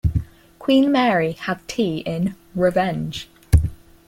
Queen Mary had tea in "Revenge".